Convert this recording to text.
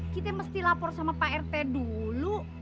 kita mesti lapor sama pak rt dulu